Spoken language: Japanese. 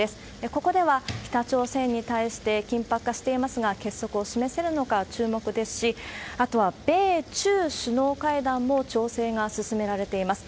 ここでは、北朝鮮に対して緊迫化していますが、結束を示せるのか注目ですし、あとは米中首脳会談も調整が進められています。